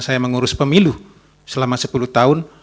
saya mengurus pemilu selama sepuluh tahun